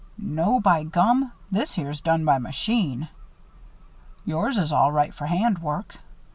"No, by gum! This here's done by machine. Yours is all right for hand work.